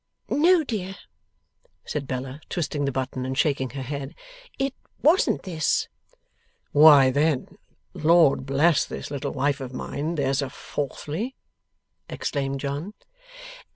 'No dear,' said Bella, twisting the button and shaking her head, 'it wasn't this.' 'Why then, Lord bless this little wife of mine, there's a Fourthly!' exclaimed John.